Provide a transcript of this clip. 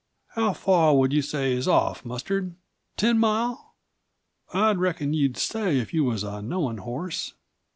"How far would you say he's off, Mustard? Ten miles, I reckon you'd say if you was a knowin' horse."